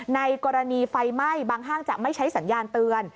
ในกรณีไฟไหม้บางห้างจะไม่ใช้สัญญาณเตือน